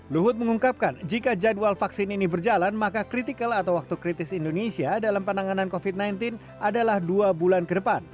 luhut mengungkapkan jika jadwal vaksin ini berjalan maka kritikal atau waktu kritis indonesia dalam penanganan covid sembilan belas adalah dua bulan ke depan